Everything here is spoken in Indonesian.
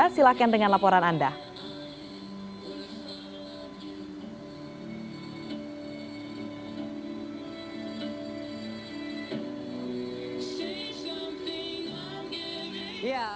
silahkan dengan laporan anda